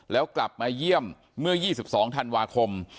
แล้วกลับมาเยี่ยมเมื่อ๒๒ธันวาคม